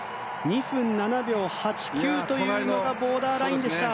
２分７秒８９というのがボーダーラインでした。